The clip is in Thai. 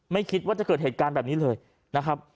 ไม่คิดว่าจะเกิดเหตุการณ์แบบนี้เลยนะครับ